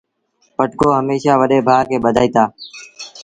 پٽڪو هميشآ وڏي ڀآ کي ٻڌآئيٚتآ۔